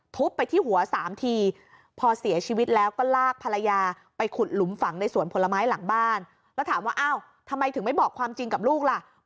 ทุบไปที่หัว๓ทีพอเสียชีวิตแล้วก็ลากภรรยาไปขุดหลุมฝังในสวนผลไม้หลังบ้านแล้วถามว่าอ้าวทำไมถึงไม่บอกความจริงกับลูกล่ะ